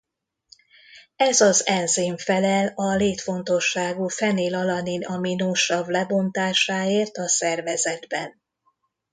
Ez az enzim felel a létfontosságú fenil-alanin aminosav lebontásáért a szervezetben.